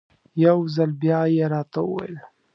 یو ځل بیا یې راته وویل.